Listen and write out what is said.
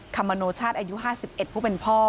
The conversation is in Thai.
คำมโนชาติอายุ๕๑ผู้เป็นพ่อ